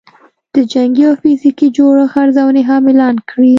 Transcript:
د جنګي او فزیکي جوړښت ارزونې هم اعلان کړې